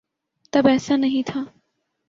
تب ایسا نہیں تھا۔